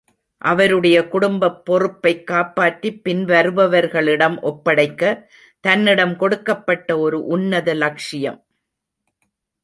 அவருடைய குடும்பப் பொறுப்பைக் காப்பாற்றிப் பின்வருபவர்களிடம் ஒப்படைக்க, தன்னிடம் கொடுக்கப்பட்ட ஒரு உன்னத லஷ்யம்.